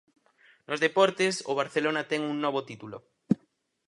Nos deportes, o Barcelona ten un novo título.